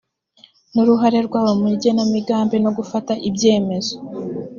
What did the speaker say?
n uruhare rwabo mu igenamigambi no gufata ibyemezo